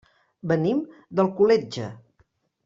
Venim d'Alcoletge.